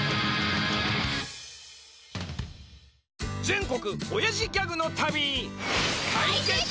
全国おやじギャグの旅！